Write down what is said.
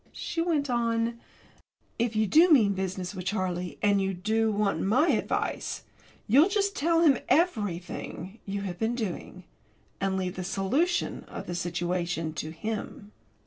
She went on: "If you do mean business with Charlie, and you do want my advice, you'll just tell him everything you have been doing, and leave the solution of the situation to him."